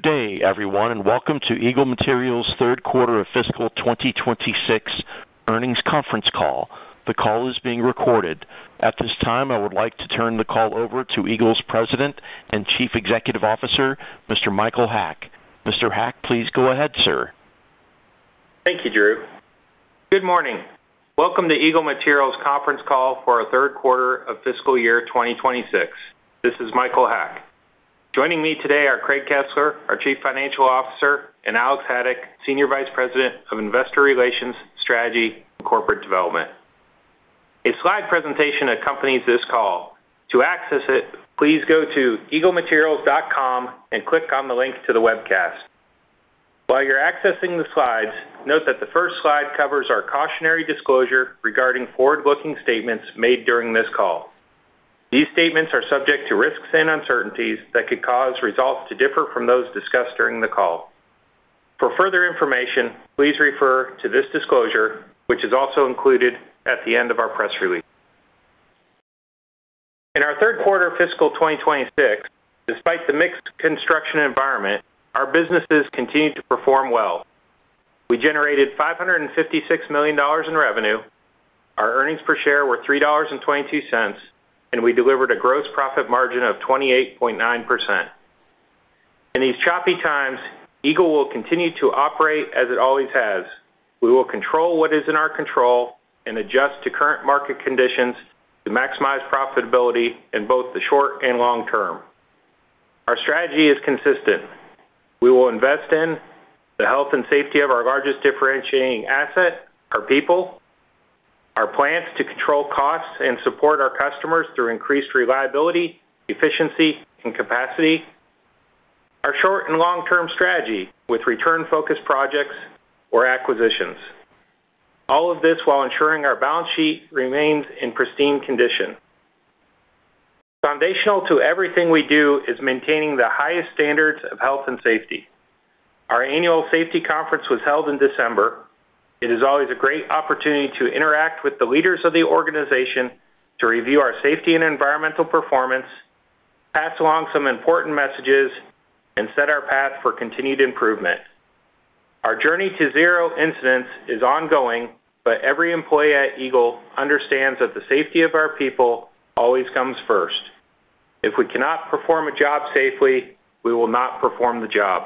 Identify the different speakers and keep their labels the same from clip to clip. Speaker 1: Good day, everyone, and welcome to Eagle Materials' Q3 of Fiscal 2026 earnings conference call. The call is being recorded. At this time, I would like to turn the call over to Eagle's President and Chief Executive Officer, Mr. Michael Haack. Mr. Haack, please go ahead, sir.
Speaker 2: Thank you, Drew. Good morning. Welcome to Eagle Materials' conference call for our Q3 of fiscal year 2026. This is Michael Haack. Joining me today are Craig Kesler, our Chief Financial Officer, and Alex Haddock, Senior Vice President of Investor Relations, Strategy, and Corporate Development. A slide presentation accompanies this call. To access it, please go to eaglematerials.com and click on the link to the webcast. While you're accessing the slides, note that the first slide covers our cautionary disclosure regarding forward-looking statements made during this call. These statements are subject to risks and uncertainties that could cause results to differ from those discussed during the call. For further information, please refer to this disclosure, which is also included at the end of our press release. In our Q3 of fiscal 2026, despite the mixed construction environment, our businesses continued to perform well. We generated $556 million in revenue, our earnings per share were $3.22, and we delivered a gross profit margin of 28.9%. In these choppy times, Eagle will continue to operate as it always has. We will control what is in our control and adjust to current market conditions to maximize profitability in both the short and long term. Our strategy is consistent. We will invest in the health and safety of our largest differentiating asset, our people, our plans to control costs and support our customers through increased reliability, efficiency, and capacity, our short and long-term strategy with return-focused projects or acquisitions. All of this while ensuring our balance sheet remains in pristine condition. Foundational to everything we do is maintaining the highest standards of health and safety. Our annual safety conference was held in December. It is always a great opportunity to interact with the leaders of the organization to review our safety and environmental performance, pass along some important messages, and set our path for continued improvement. Our journey to zero incidents is ongoing, but every employee at Eagle understands that the safety of our people always comes first. If we cannot perform a job safely, we will not perform the job.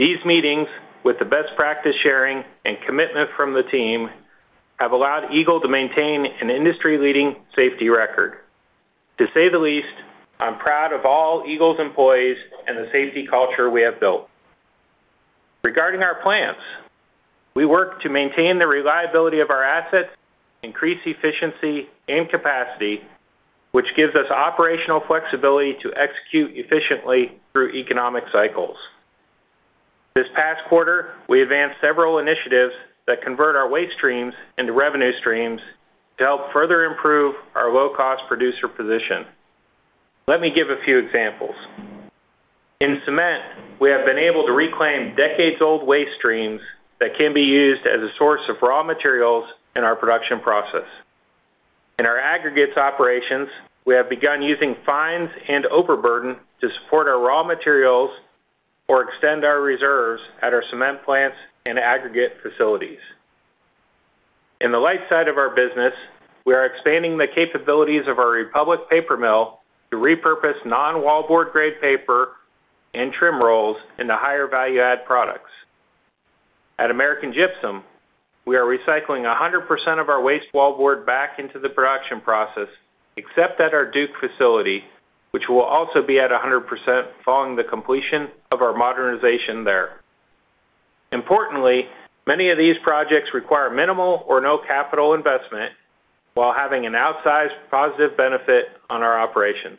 Speaker 2: These meetings, with the best practice sharing and commitment from the team, have allowed Eagle to maintain an industry-leading safety record. To say the least, I'm proud of all Eagle's employees and the safety culture we have built. Regarding our plans, we work to maintain the reliability of our assets, increase efficiency and capacity, which gives us operational flexibility to execute efficiently through economic cycles. This past quarter, we advanced several initiatives that convert our waste streams into revenue streams to help further improve our low-cost producer position. Let me give a few examples. In cement, we have been able to reclaim decades-old waste streams that can be used as a source of raw materials in our production process. In our aggregates operations, we have begun using fines and overburden to support our raw materials or extend our reserves at our cement plants and aggregate facilities. In the light side of our business, we are expanding the capabilities of our Republic Paper Mill to repurpose non-wallboard-grade paper and trim rolls into higher value-add products. At American Gypsum, we are recycling 100% of our waste wallboard back into the production process, except at our Duke facility, which will also be at 100% following the completion of our modernization there. Importantly, many of these projects require minimal or no capital investment while having an outsized positive benefit on our operations.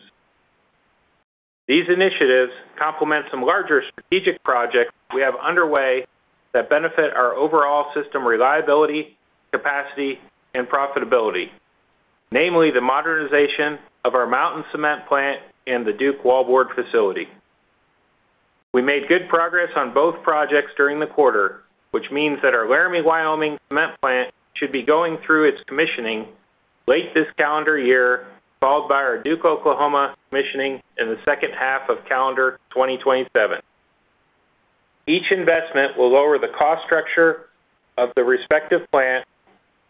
Speaker 2: These initiatives complement some larger strategic projects we have underway that benefit our overall system reliability, capacity, and profitability, namely the modernization of our Mountain Cement plant and the Duke wallboard facility. We made good progress on both projects during the quarter, which means that our Laramie, Wyoming cement plant should be going through its commissioning late this calendar year, followed by our Duke, Oklahoma commissioning in the second half of calendar 2027. Each investment will lower the cost structure of the respective plant,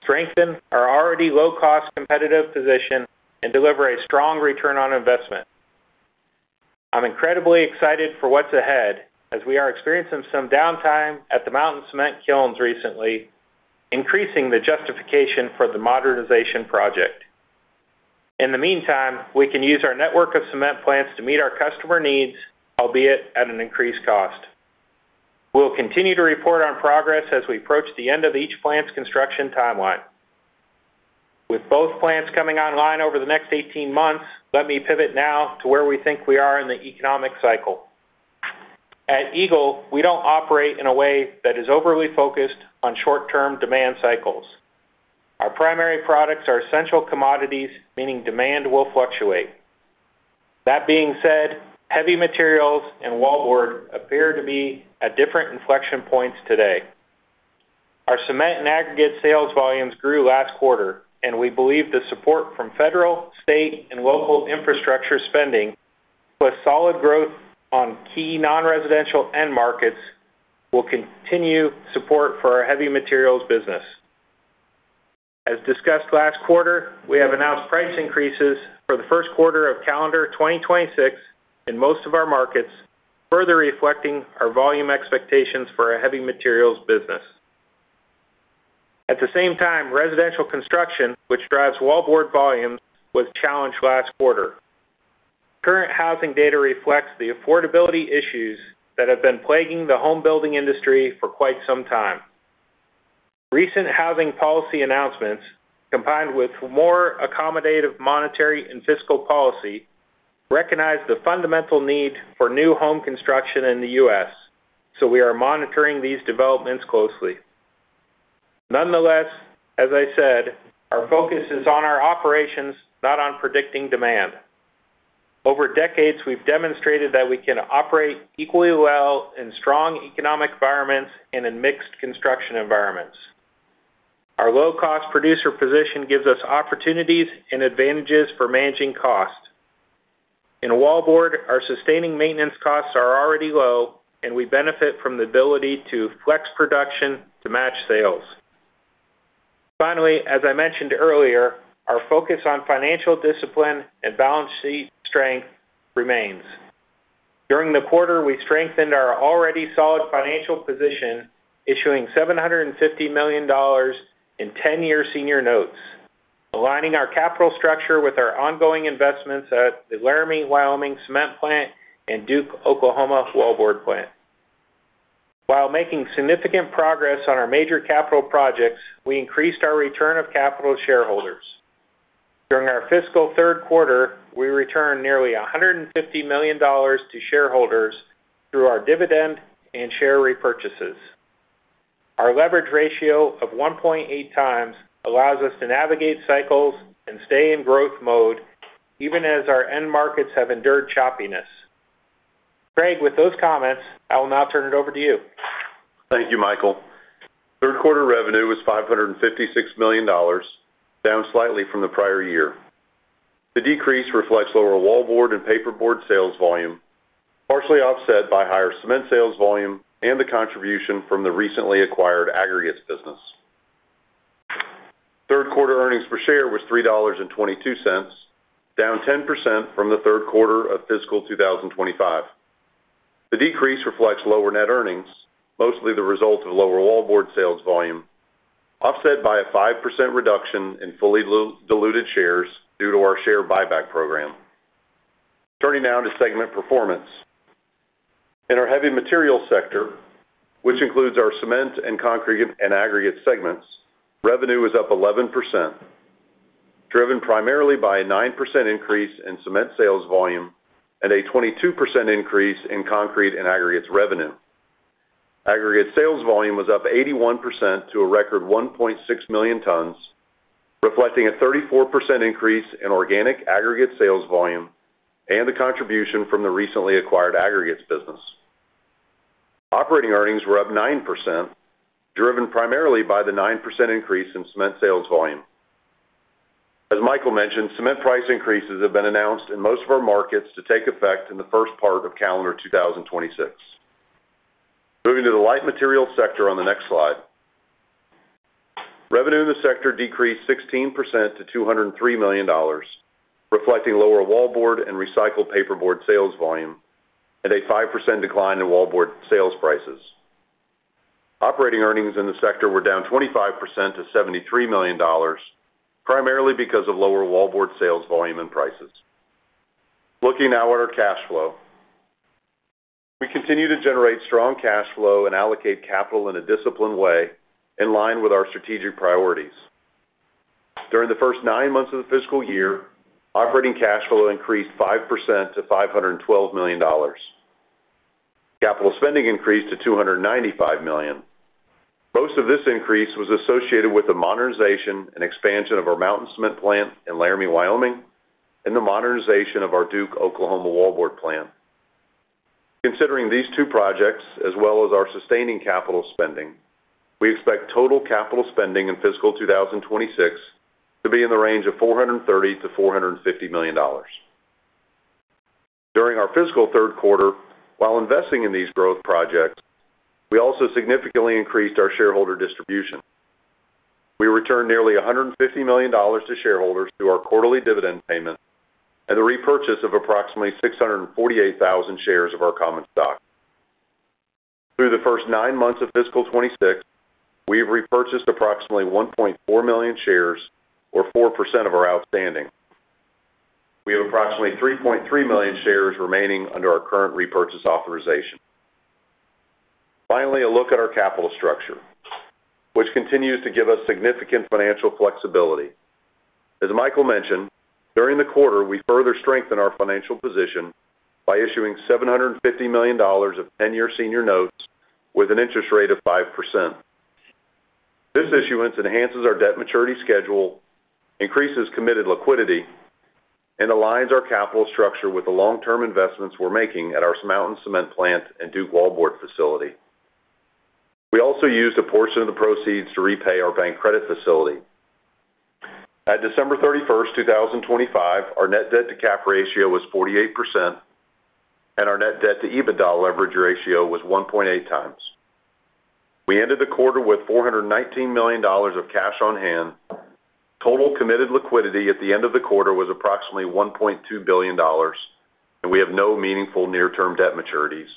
Speaker 2: strengthen our already low-cost competitive position, and deliver a strong return on investment. I'm incredibly excited for what's ahead as we are experiencing some downtime at the Mountain Cement kilns recently, increasing the justification for the modernization project. In the meantime, we can use our network of cement plants to meet our customer needs, albeit at an increased cost. We'll continue to report on progress as we approach the end of each plant's construction timeline. With both plants coming online over the next 18 months, let me pivot now to where we think we are in the economic cycle. At Eagle, we don't operate in a way that is overly focused on short-term demand cycles. Our primary products are essential commodities, meaning demand will fluctuate. That being said, heavy materials and wallboard appear to be at different inflection points today. Our cement and aggregate sales volumes grew last quarter, and we believe the support from federal, state, and local infrastructure spending, plus solid growth on key non-residential end markets, will continue support for our heavy materials business. As discussed last quarter, we have announced price increases for the Q1 of calendar 2026 in most of our markets, further reflecting our volume expectations for our heavy materials business. At the same time, residential construction, which drives wallboard volumes, was challenged last quarter. Current housing data reflects the affordability issues that have been plaguing the home building industry for quite some time. Recent housing policy announcements, combined with more accommodative monetary and fiscal policy, recognize the fundamental need for new home construction in the US, so we are monitoring these developments closely. Nonetheless, as I said, our focus is on our operations, not on predicting demand. Over decades, we've demonstrated that we can operate equally well in strong economic environments and in mixed construction environments. Our low-cost producer position gives us opportunities and advantages for managing cost. In wallboard, our sustaining maintenance costs are already low, and we benefit from the ability to flex production to match sales. Finally, as I mentioned earlier, our focus on financial discipline and balance sheet strength remains. During the quarter, we strengthened our already solid financial position, issuing $750 million in 10-year senior notes, aligning our capital structure with our ongoing investments at the Laramie, Wyoming cement plant and Duke, Oklahoma wallboard plant. While making significant progress on our major capital projects, we increased our return of capital shareholders. During our fiscal Q3, we returned nearly $150 million to shareholders through our dividend and share repurchases. Our leverage ratio of 1.8x allows us to navigate cycles and stay in growth mode even as our end markets have endured choppiness. Craig, with those comments, I will now turn it over to you.
Speaker 3: Thank you, Michael. Q3 revenue was $556 million, down slightly from the prior year. The decrease reflects lower wallboard and paperboard sales volume, partially offset by higher cement sales volume and the contribution from the recently acquired aggregates business. Q3 earnings per share was $3.22, down 10% from the Q3 of fiscal 2025. The decrease reflects lower net earnings, mostly the result of lower wallboard sales volume, offset by a 5% reduction in fully diluted shares due to our share buyback program. Turning now to segment performance. In our heavy materials sector, which includes our cement and concrete and aggregate segments, revenue is up 11%, driven primarily by a 9% increase in cement sales volume and a 22% increase in concrete and aggregates revenue. Aggregate sales volume was up 81% to a record 1.6 million tons, reflecting a 34% increase in organic aggregate sales volume and the contribution from the recently acquired aggregates business. Operating earnings were up 9%, driven primarily by the 9% increase in cement sales volume. As Michael mentioned, cement price increases have been announced in most of our markets to take effect in the first part of calendar 2026. Moving to the light materials sector on the next slide. Revenue in the sector decreased 16% to $203 million, reflecting lower wallboard and recycled paperboard sales volume and a 5% decline in wallboard sales prices. Operating earnings in the sector were down 25% to $73 million, primarily because of lower wallboard sales volume and prices. Looking now at our cash flow, we continue to generate strong cash flow and allocate capital in a disciplined way in line with our strategic priorities. During the first nine months of the fiscal year, operating cash flow increased 5% to $512 million. Capital spending increased to $295 million. Most of this increase was associated with the modernization and expansion of our Mountain Cement plant in Laramie, Wyoming, and the modernization of our Duke, Oklahoma wallboard plant. Considering these two projects, as well as our sustaining capital spending, we expect total capital spending in fiscal 2026 to be in the range of $430 to $450 million. During our fiscal Q3, while investing in these growth projects, we also significantly increased our shareholder distribution. We returned nearly $150 million to shareholders through our quarterly dividend payment and the repurchase of approximately 648,000 shares of our common stock. Through the first nine months of fiscal 2026, we've repurchased approximately 1.4 million shares, or 4% of our outstanding. We have approximately 3.3 million shares remaining under our current repurchase authorization. Finally, a look at our capital structure, which continues to give us significant financial flexibility. As Michael mentioned, during the quarter, we further strengthened our financial position by issuing $750 million of 10-year Senior Notes with an interest rate of 5%. This issuance enhances our debt maturity schedule, increases committed liquidity, and aligns our capital structure with the long-term investments we're making at our Mountain Cement plant and Duke wallboard facility. We also used a portion of the proceeds to repay our bank credit facility. At 31 December 2025, our Net Debt-to-Cap Ratio was 48%, and our net debt-to-EBITDA leverage ratio was 1.8x. We ended the quarter with $419 million of cash on hand. Total committed liquidity at the end of the quarter was approximately $1.2 billion, and we have no meaningful near-term debt maturities,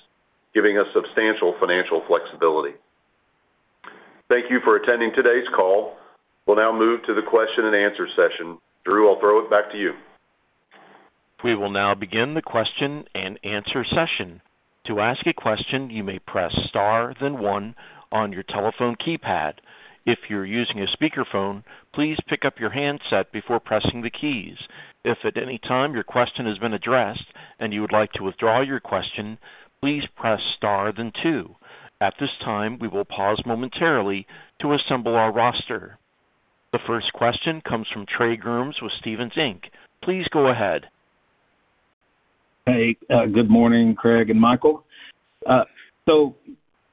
Speaker 3: giving us substantial financial flexibility. Thank you for attending today's call. We'll now move to the question-and-answer session. Drew, I'll throw it back to you.
Speaker 1: We will now begin the question-and-answer session. To ask a question, you may press star then one on your telephone keypad. If you're using a speakerphone, please pick up your handset before pressing the keys. If at any time your question has been addressed and you would like to withdraw your question, please press star then two. At this time, we will pause momentarily to assemble our roster. The first question comes from Trey Grooms with Stephens Inc. Please go ahead.
Speaker 4: Hey, good morning, Craig and Michael. So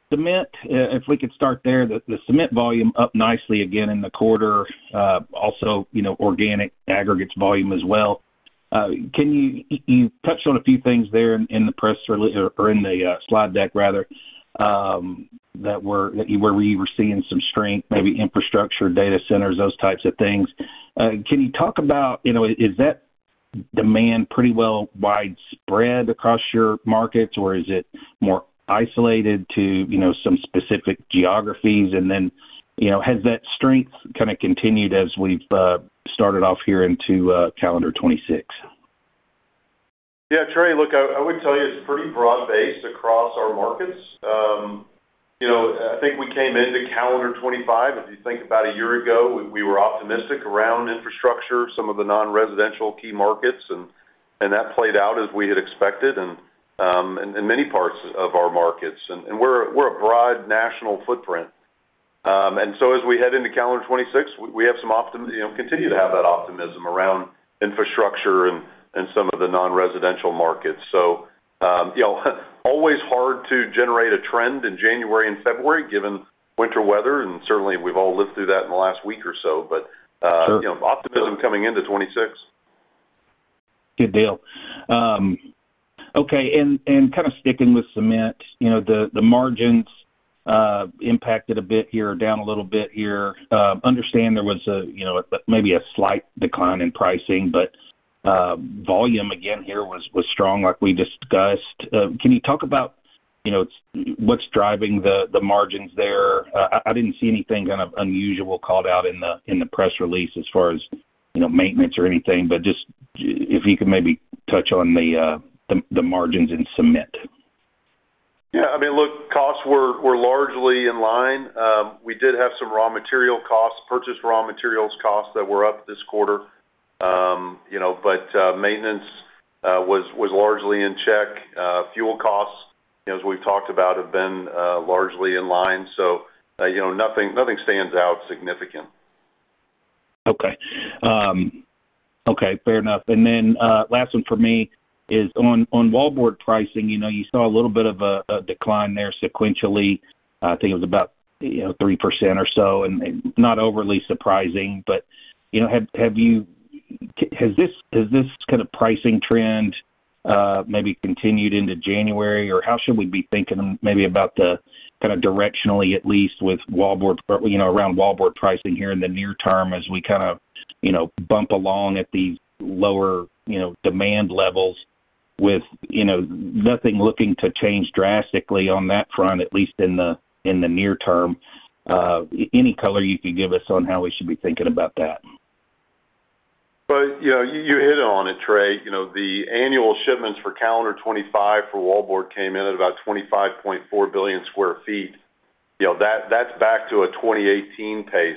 Speaker 4: cement, if we could start there, the cement volume up nicely again in the quarter, also organic aggregates volume as well. You touched on a few things there in the press or in the slide deck, rather, that you were seeing some strength, maybe infrastructure, data centers, those types of things. Can you talk about, is that demand pretty well widespread across your markets, or is it more isolated to some specific geographies? And then has that strength kind of continued as we've started off here into calendar 2026?
Speaker 3: Yeah, Trey, look, I would tell you it's pretty broad-based across our markets. I think we came into calendar 2025, if you think about a year ago, we were optimistic around infrastructure, some of the non-residential key markets, and that played out as we had expected in many parts of our markets. And we're a broad national footprint. And so as we head into calendar 2026, we have some optimism, continue to have that optimism around infrastructure and some of the non-residential markets. So always hard to generate a trend in January and February, given winter weather, and certainly we've all lived through that in the last week or so, but optimism coming into 2026.
Speaker 4: Good deal. Okay, and kind of sticking with cement, the margins impacted a bit here, down a little bit here. Understand there was maybe a slight decline in pricing, but volume again here was strong, like we discussed. Can you talk about what's driving the margins there? I didn't see anything kind of unusual called out in the press release as far as maintenance or anything, but just if you can maybe touch on the margins in cement.
Speaker 3: Yeah, I mean, look, costs were largely in line. We did have some raw material costs, purchased raw materials costs that were up this quarter, but maintenance was largely in check. Fuel costs, as we've talked about, have been largely in line. So nothing stands out significant.
Speaker 4: Okay. Okay, fair enough. And then last one for me is on wallboard pricing, you saw a little bit of a decline there sequentially. I think it was about 3% or so, and not overly surprising, but has this kind of pricing trend maybe continued into January, or how should we be thinking maybe about the kind of directionally, at least with wallboard around wallboard pricing here in the near term as we kind of bump along at these lower demand levels with nothing looking to change drastically on that front, at least in the near term? Any color you can give us on how we should be thinking about that?
Speaker 3: Well, you hit it on it, Trey. The annual shipments for calendar 2025 for wallboard came in at about 25.4 billion sqft. That's back to a 2018 pace.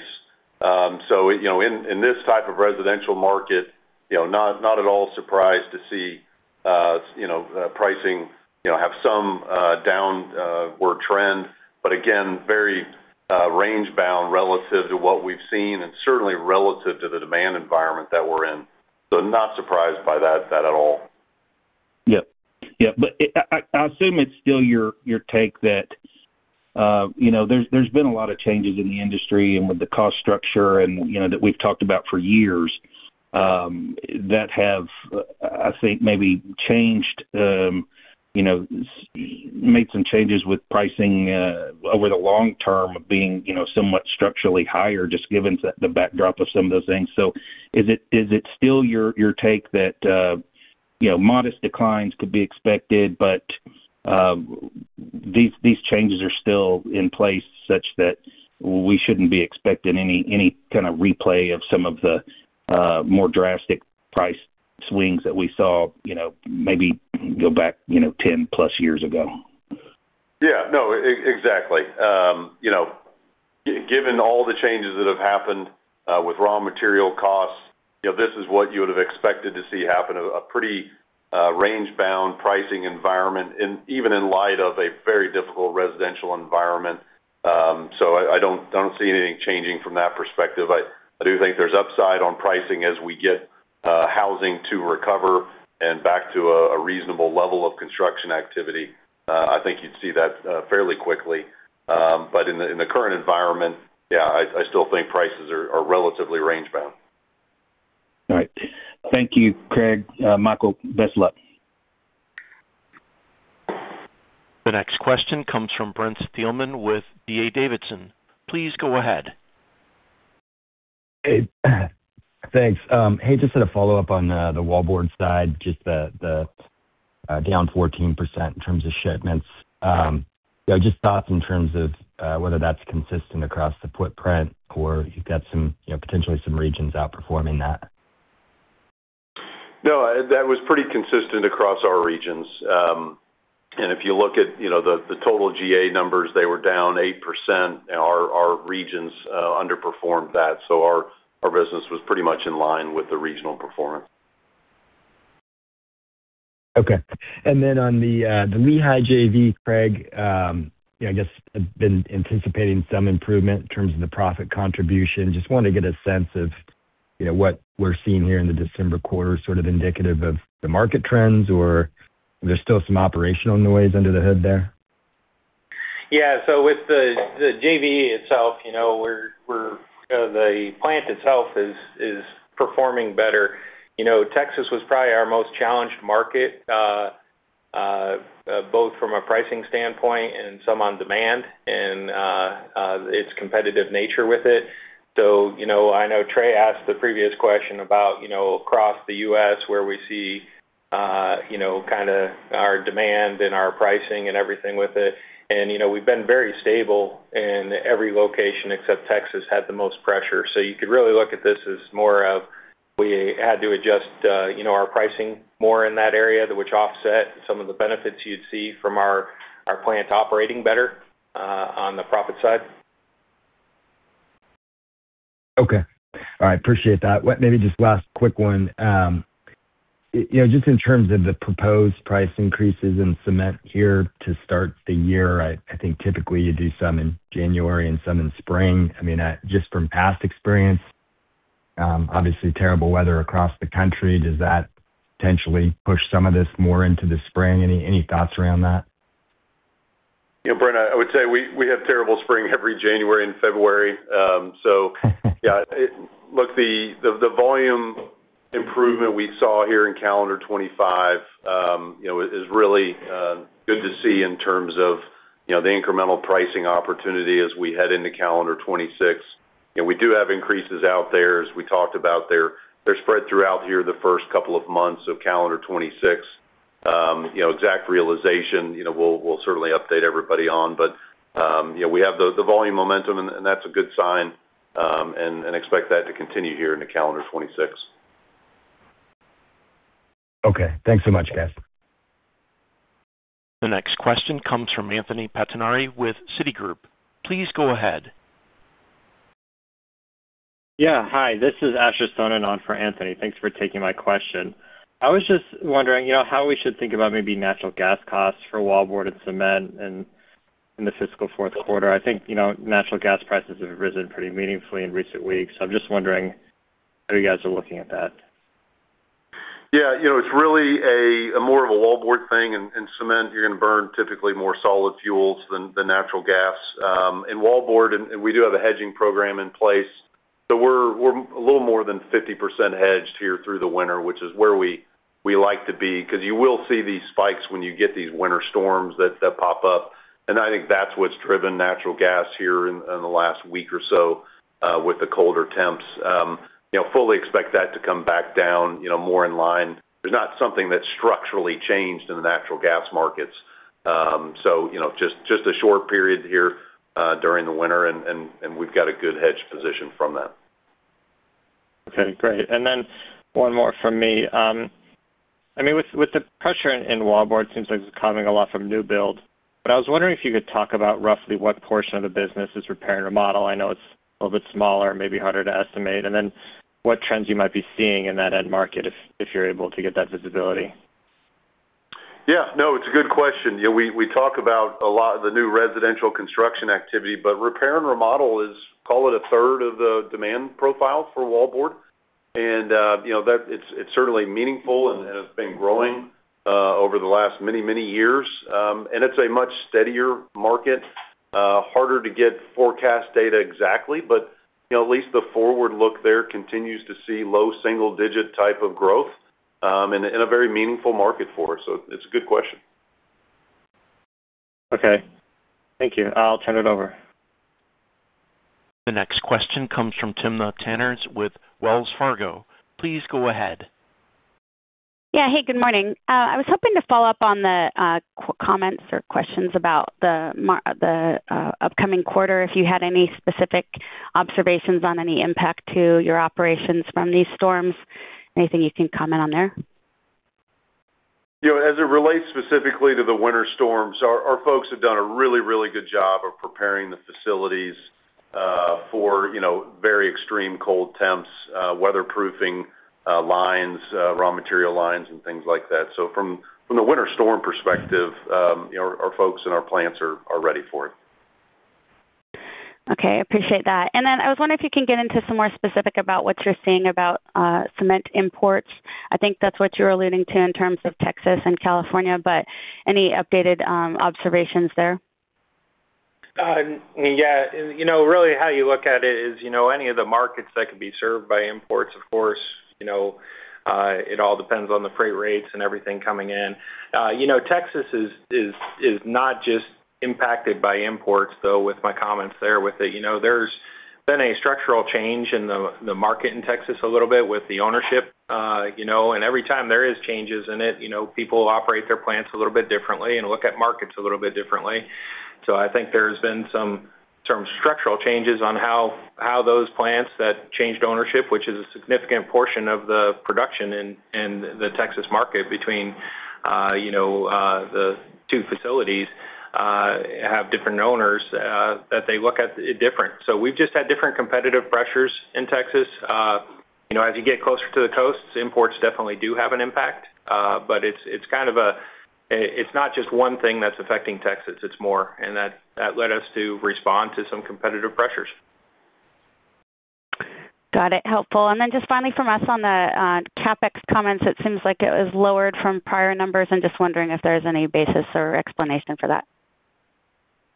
Speaker 3: So in this type of residential market, not at all surprised to see pricing have some downward trend, but again, very range-bound relative to what we've seen and certainly relative to the demand environment that we're in. So not surprised by that at all.
Speaker 4: Yeah. Yeah. But I assume it's still your take that there's been a lot of changes in the industry and with the cost structure that we've talked about for years that have, I think, maybe changed, made some changes with pricing over the long term of being somewhat structurally higher just given the backdrop of some of those things. So is it still your take that modest declines could be expected, but these changes are still in place such that we shouldn't be expecting any kind of replay of some of the more drastic price swings that we saw maybe go back 10+ years ago?
Speaker 3: Yeah. No, exactly. Given all the changes that have happened with raw material costs, this is what you would have expected to see happen, a pretty range-bound pricing environment, even in light of a very difficult residential environment. So I don't see anything changing from that perspective. I do think there's upside on pricing as we get housing to recover and back to a reasonable level of construction activity. I think you'd see that fairly quickly. But in the current environment, yeah, I still think prices are relatively range-bound.
Speaker 4: All right. Thank you, Craig. Michael, best of luck.
Speaker 1: The next question comes from Brent Thielman with D.A. Davidson. Please go ahead.
Speaker 5: Hey, thanks. Hey, just had a follow-up on the wallboard side, just the down 14% in terms of shipments. Just thoughts in terms of whether that's consistent across the footprint or you've got potentially some regions outperforming that?
Speaker 3: No, that was pretty consistent across our regions. If you look at the total GA numbers, they were down 8%. Our regions underperformed that. Our business was pretty much in line with the regional performance.
Speaker 5: Okay. And then on the Lehigh JV, Craig, I guess I've been anticipating some improvement in terms of the profit contribution. Just wanted to get a sense of what we're seeing here in the December quarter, sort of indicative of the market trends, or there's still some operational noise under the hood there?
Speaker 3: Yeah. So with the JV itself, the plant itself is performing better. Texas was probably our most challenged market, both from a pricing standpoint and some on demand and its competitive nature with it. So I know Trey asked the previous question about across the US where we see kind of our demand and our pricing and everything with it. And we've been very stable in every location except Texas had the most pressure. So you could really look at this as more of we had to adjust our pricing more in that area, which offset some of the benefits you'd see from our plant operating better on the profit side.
Speaker 5: Okay. All right. Appreciate that. Maybe just last quick one. Just in terms of the proposed price increases in cement here to start the year, I think typically you do some in January and some in spring. I mean, just from past experience, obviously terrible weather across the country, does that potentially push some of this more into the spring? Any thoughts around that?
Speaker 3: Yeah, Brent, I would say we have terrible spring every January and February. So yeah, look, the volume improvement we saw here in calendar 2025 is really good to see in terms of the incremental pricing opportunity as we head into calendar 2026. We do have increases out there, as we talked about. They're spread throughout here the first couple of months of calendar 2026. Exact realization we'll certainly update everybody on, but we have the volume momentum, and that's a good sign, and expect that to continue here into calendar 2026.
Speaker 5: Okay. Thanks so much, guys.
Speaker 1: The next question comes from Anthony Pettinari with Citigroup. Please go ahead.
Speaker 6: Yeah. Hi, this is Asher Sohnen on for Anthony Pettinari. Thanks for taking my question. I was just wondering how we should think about maybe natural gas costs for wallboard and cement in the fiscal Q4. I think natural gas prices have risen pretty meaningfully in recent weeks. I'm just wondering how you guys are looking at that.
Speaker 3: Yeah. It's really more of a wallboard thing, and cement, you're going to burn typically more solid fuels than natural gas. In wallboard, we do have a hedging program in place, so we're a little more than 50% hedged here through the winter, which is where we like to be. Because you will see these spikes when you get these winter storms that pop up, and I think that's what's driven natural gas here in the last week or so with the colder temps. Fully expect that to come back down more in line. There's not something that's structurally changed in the natural gas markets. So just a short period here during the winter, and we've got a good hedged position from that.
Speaker 6: Okay. Great. And then one more from me. I mean, with the pressure in wallboard, it seems like it's coming a lot from new build. But I was wondering if you could talk about roughly what portion of the business is repair and remodel. I know it's a little bit smaller, maybe harder to estimate. And then what trends you might be seeing in that end market if you're able to get that visibility?
Speaker 3: Yeah. No, it's a good question. We talk about a lot of the new residential construction activity, but repair and remodel is, call it a third of the demand profile for wallboard. And it's certainly meaningful, and it's been growing over the last many, many years. And it's a much steadier market, harder to get forecast data exactly, but at least the forward look there continues to see low single-digit type of growth in a very meaningful market for us. So it's a good question.
Speaker 6: Okay. Thank you. I'll turn it over.
Speaker 1: The next question comes from Timna Tanners with Wells Fargo. Please go ahead.
Speaker 7: Yeah. Hey, good morning. I was hoping to follow up on the comments or questions about the upcoming quarter, if you had any specific observations on any impact to your operations from these storms. Anything you can comment on there?
Speaker 3: As it relates specifically to the winter storms, our folks have done a really, really good job of preparing the facilities for very extreme cold temps, weatherproofing lines, raw material lines, and things like that. So from the winter storm perspective, our folks and our plants are ready for it.
Speaker 7: Okay. Appreciate that. I was wondering if you can get into some more specifics about what you're seeing about cement imports. I think that's what you're alluding to in terms of Texas and California, but any updated observations there?
Speaker 2: Yeah. Really, how you look at it is any of the markets that could be served by imports, of course. It all depends on the freight rates and everything coming in. Texas is not just impacted by imports, though, with my comments there with it. There's been a structural change in the market in Texas a little bit with the ownership. Every time there are changes in it, people operate their plants a little bit differently and look at markets a little bit differently. So I think there's been some structural changes on how those plants that changed ownership, which is a significant portion of the production in the Texas market between the two facilities, have different owners that they look at different. So we've just had different competitive pressures in Texas. As you get closer to the coast, imports definitely do have an impact, but it's kind of, it's not just one thing that's affecting Texas. It's more, and that led us to respond to some competitive pressures.
Speaker 7: Got it. Helpful. And then just finally from us on the CapEx comments, it seems like it was lowered from prior numbers. I'm just wondering if there's any basis or explanation for that.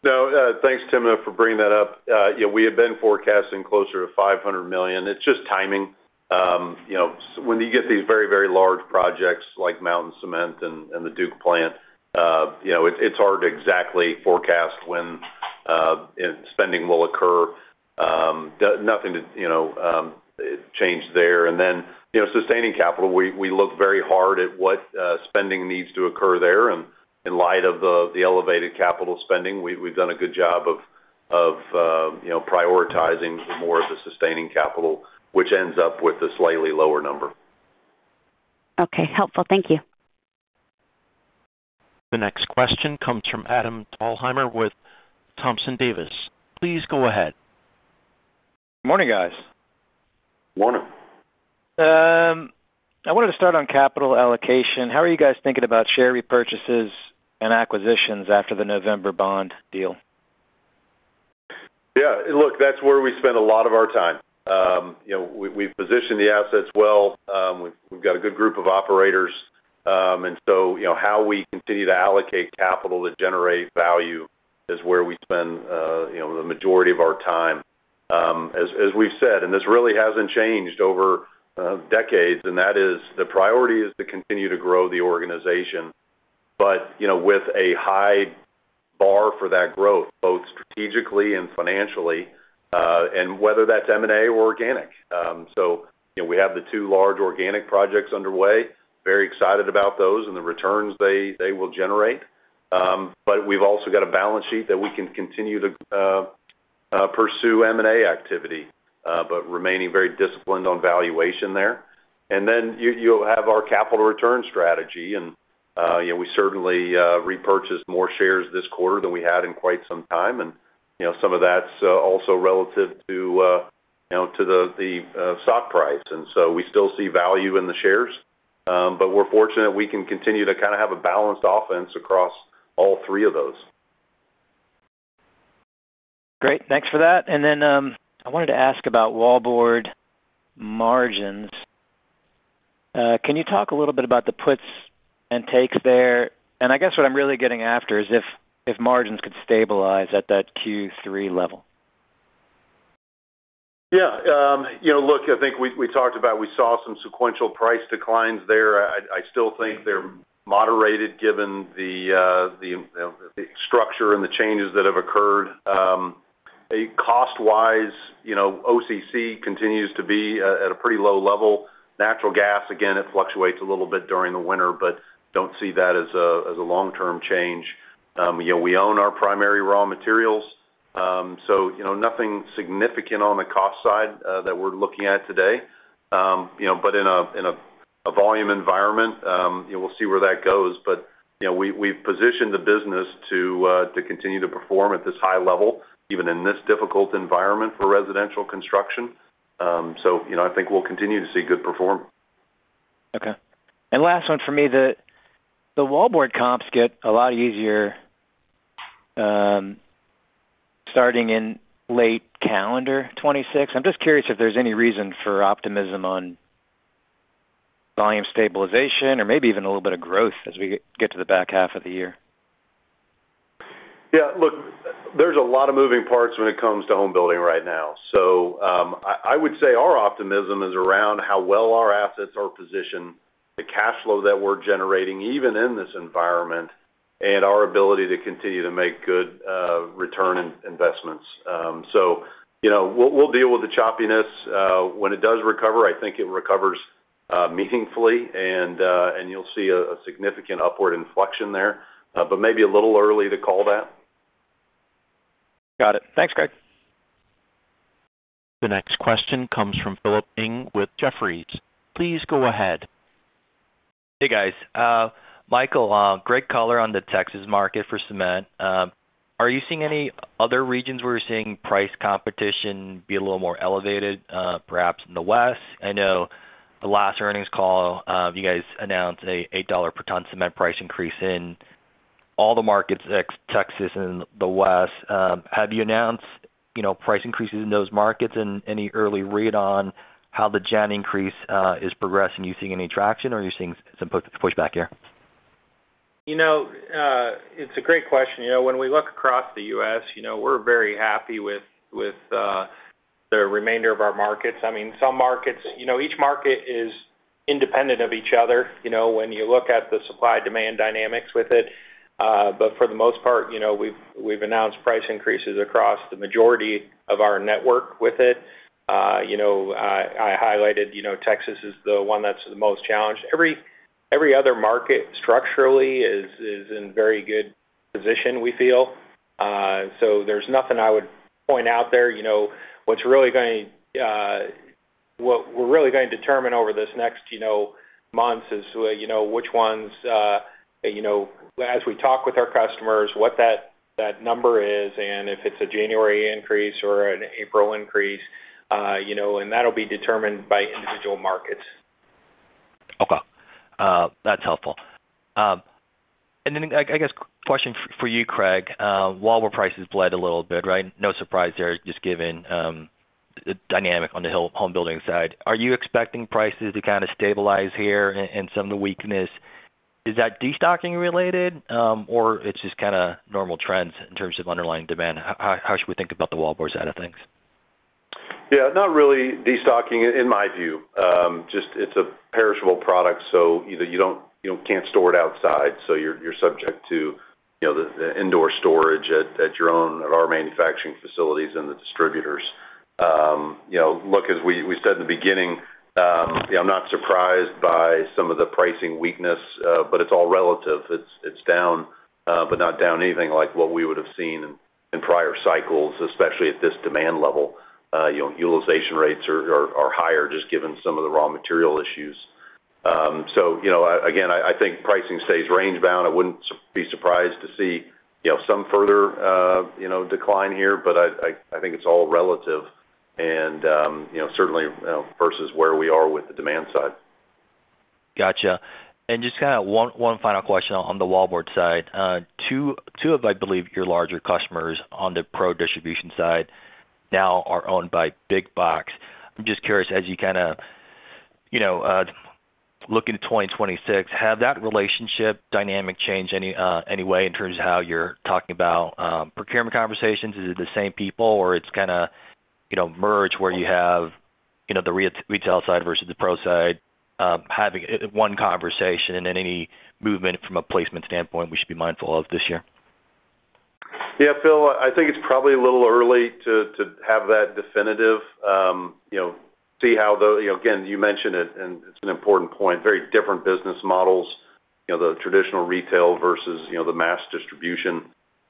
Speaker 3: No. Thanks, Timna, for bringing that up. We have been forecasting closer to $500 million. It's just timing. When you get these very, very large projects like Mountain Cement and the Duke plant, it's hard to exactly forecast when spending will occur. Nothing to change there. And then sustaining capital, we look very hard at what spending needs to occur there. And in light of the elevated capital spending, we've done a good job of prioritizing more of the sustaining capital, which ends up with a slightly lower number.
Speaker 7: Okay. Helpful. Thank you.
Speaker 1: The next question comes from Adam Thalhimer with Thompson Davis. Please go ahead.
Speaker 8: Morning, guys.
Speaker 3: Morning.
Speaker 8: I wanted to start on capital allocation. How are you guys thinking about share repurchases and acquisitions after the November bond deal?
Speaker 3: Yeah. Look, that's where we spend a lot of our time. We've positioned the assets well. We've got a good group of operators. And so how we continue to allocate capital to generate value is where we spend the majority of our time. As we've said, and this really hasn't changed over decades, and that is the priority is to continue to grow the organization, but with a high bar for that growth, both strategically and financially, and whether that's M&A or organic. So we have the two large organic projects underway. Very excited about those and the returns they will generate. But we've also got a balance sheet that we can continue to pursue M&A activity, but remaining very disciplined on valuation there. And then you have our capital return strategy, and we certainly repurchased more shares this quarter than we had in quite some time. Some of that's also relative to the stock price. So we still see value in the shares, but we're fortunate we can continue to kind of have a balanced offense across all three of those.
Speaker 8: Great. Thanks for that. And then I wanted to ask about wallboard margins. Can you talk a little bit about the puts and takes there? And I guess what I'm really getting after is if margins could stabilize at that Q3 level.
Speaker 3: Yeah. Look, I think we talked about we saw some sequential price declines there. I still think they're moderated given the structure and the changes that have occurred. Cost-wise, OCC continues to be at a pretty low level. Natural gas, again, it fluctuates a little bit during the winter, but don't see that as a long-term change. We own our primary raw materials, so nothing significant on the cost side that we're looking at today. But in a volume environment, we'll see where that goes. But we've positioned the business to continue to perform at this high level, even in this difficult environment for residential construction. So I think we'll continue to see good performance.
Speaker 8: Okay. And last one for me, the wallboard comps get a lot easier starting in late calendar 2026. I'm just curious if there's any reason for optimism on volume stabilization or maybe even a little bit of growth as we get to the back half of the year?
Speaker 3: Yeah. Look, there's a lot of moving parts when it comes to home building right now. So I would say our optimism is around how well our assets are positioned, the cash flow that we're generating even in this environment, and our ability to continue to make good return investments. So we'll deal with the choppiness. When it does recover, I think it recovers meaningfully, and you'll see a significant upward inflection there, but maybe a little early to call that.
Speaker 8: Got it. Thanks, Craig.
Speaker 1: The next question comes from Philip Ng with Jefferies. Please go ahead.
Speaker 9: Hey, guys. Michael, great color on the Texas market for cement. Are you seeing any other regions where you're seeing price competition be a little more elevated, perhaps in the West? I know the last earnings call, you guys announced an $8 per ton cement price increase in all the markets ex-Texas and the West. Have you announced price increases in those markets and any early read on how the gen increase is progressing? Are you seeing any traction, or are you seeing some pushback here? It's a great question. When we look across the US, we're very happy with the remainder of our markets. I mean, some markets, each market is independent of each other when you look at the supply-demand dynamics with it. But for the most part, we've announced price increases across the majority of our network with it.
Speaker 2: I highlighted, Texas is the one that's the most challenged. Every other market structurally is in very good position, we feel. So there's nothing I would point out there. What's really going to what we're really going to determine over this next month is which ones, as we talk with our customers, what that number is, and if it's a January increase or an April increase. And that'll be determined by individual markets.
Speaker 10: Okay. That's helpful. And then I guess question for you, Craig. Wallboard prices bled a little bit, right? No surprise there, just given the dynamic on the home building side. Are you expecting prices to kind of stabilize here and some of the weakness? Is that destocking related, or it's just kind of normal trends in terms of underlying demand? How should we think about the wallboard side of things?
Speaker 3: Yeah. Not really destocking, in my view. Just it's a perishable product, so you can't store it outside. So you're subject to the indoor storage at your own or our manufacturing facilities and the distributors. Look, as we said in the beginning, I'm not surprised by some of the pricing weakness, but it's all relative. It's down, but not down anything like what we would have seen in prior cycles, especially at this demand level. Utilization rates are higher just given some of the raw material issues. So again, I think pricing stays range-bound. I wouldn't be surprised to see some further decline here, but I think it's all relative and certainly versus where we are with the demand side.
Speaker 10: Gotcha. And just kind of one final question on the wallboard side. 2 of, I believe, your larger customers on the pro distribution side now are owned by Big Box. I'm just curious, as you kind of look into 2026, has that relationship dynamic changed any way in terms of how you're talking about procurement conversations? Is it the same people, or it's kind of merged where you have the retail side versus the pro side, having one conversation and then any movement from a placement standpoint we should be mindful of this year?
Speaker 3: Yeah. Phil, I think it's probably a little early to have that definitive. See how the again, you mentioned it, and it's an important point. Very different business models, the traditional retail versus the mass distribution.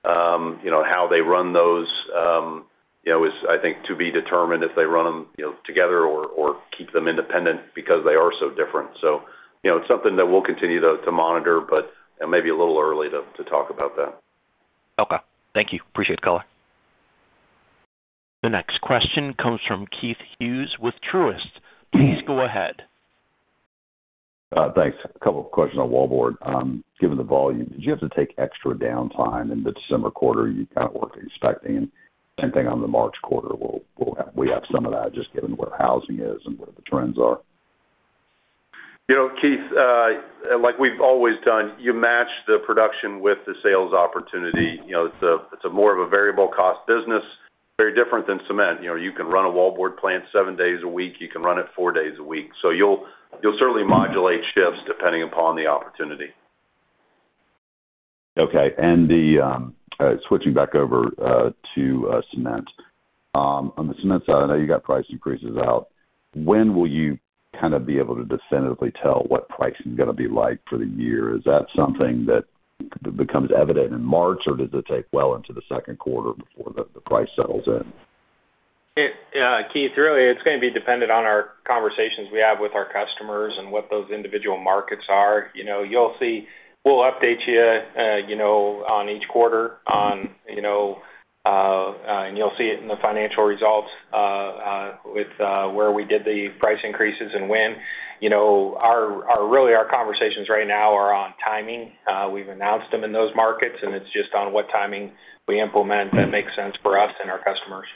Speaker 3: How they run those is, I think, to be determined if they run them together or keep them independent because they are so different. So it's something that we'll continue to monitor, but maybe a little early to talk about that.
Speaker 10: Okay. Thank you. Appreciate the color.
Speaker 1: The next question comes from Keith Hughes with Truist. Please go ahead.
Speaker 11: Thanks. A couple of questions on wallboard. Given the volume, did you have to take extra downtime in the December quarter you kind of weren't expecting? And same thing on the March quarter. We have some of that just given where housing is and where the trends are.
Speaker 3: Keith, like we've always done, you match the production with the sales opportunity. It's more of a variable cost business, very different than cement. You can run a wallboard plant seven days a week. You can run it four days a week. So you'll certainly modulate shifts depending upon the opportunity.
Speaker 11: Okay. Switching back over to cement. On the cement side, I know you got price increases out. When will you kind of be able to definitively tell what pricing is going to be like for the year? Is that something that becomes evident in March, or does it take well into the Q2 before the price settles in?
Speaker 2: Keith, really, it's going to be dependent on our conversations we have with our customers and what those individual markets are. You'll see we'll update you on each quarter, and you'll see it in the financial results with where we did the price increases and when. Really, our conversations right now are on timing. We've announced them in those markets, and it's just on what timing we implement that makes sense for us and our customers.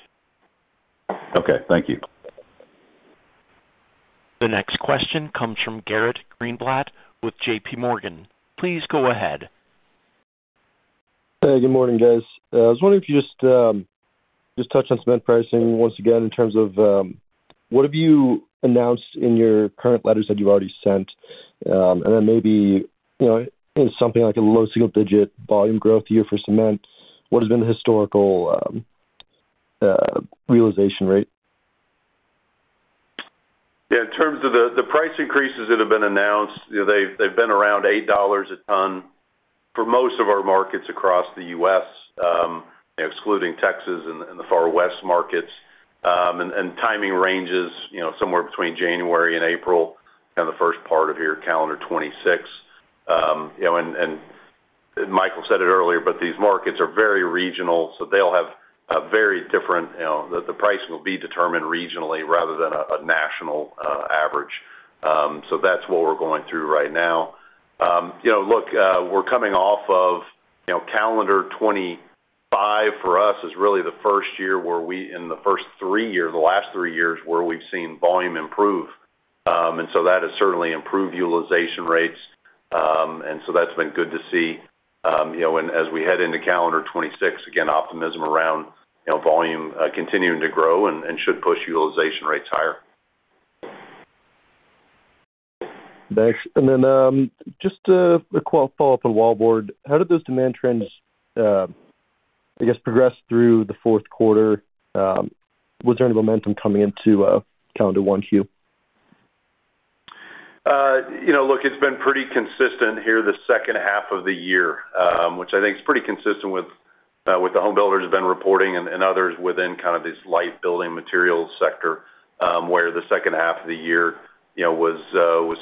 Speaker 11: Okay. Thank you.
Speaker 1: The next question comes from Garrett Greenblatt with JP Morgan. Please go ahead.
Speaker 12: Hey, good morning, guys. I was wondering if you could just touch on cement pricing once again in terms of what have you announced in your current letters that you've already sent? And then maybe in something like a low single-digit volume growth year for cement, what has been the historical realization rate?
Speaker 3: Yeah. In terms of the price increases that have been announced, they've been around $8 a ton for most of our markets across the US, excluding Texas and the far west markets. And timing ranges somewhere between January and April, kind of the first part of the year, calendar 2026. And Michael said it earlier, but these markets are very regional, so they'll have very different, the pricing will be determined regionally rather than a national average. So that's what we're going through right now. Look, we're coming off of calendar 2025. For us, it is really the first year where, in the last three years, we've seen volume improve. And so that has certainly improved utilization rates. And so that's been good to see. And as we head into calendar 2026, again, optimism around volume continuing to grow and should push utilization rates higher.
Speaker 12: Thanks. Then just a quick follow-up on wallboard. How did those demand trends, I guess, progress through the Q4? Was there any momentum coming into calendar Q1?
Speaker 3: Look, it's been pretty consistent here the second half of the year, which I think is pretty consistent with the home builders have been reporting and others within kind of this light building materials sector where the second half of the year was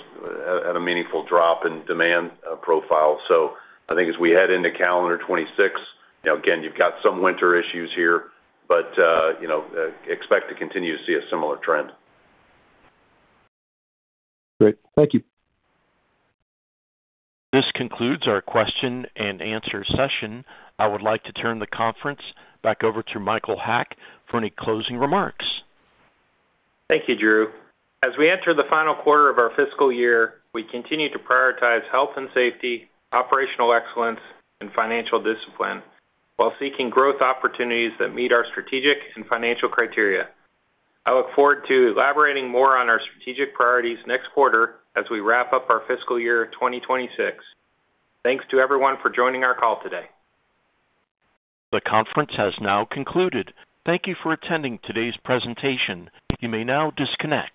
Speaker 3: at a meaningful drop in demand profile. So I think as we head into calendar 2026, again, you've got some winter issues here, but expect to continue to see a similar trend.
Speaker 12: Great. Thank you.
Speaker 1: This concludes our question-and-answer session. I would like to turn the conference back over to Michael Haack for any closing remarks.
Speaker 2: Thank you, Drew. As we enter the final quarter of our fiscal year, we continue to prioritize health and safety, operational excellence, and financial discipline while seeking growth opportunities that meet our strategic and financial criteria. I look forward to elaborating more on our strategic priorities next quarter as we wrap up our fiscal year 2026. Thanks to everyone for joining our call today.
Speaker 1: The conference has now concluded. Thank you for attending today's presentation. You may now disconnect.